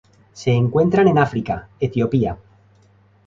Se encuentran en África: Etiopía.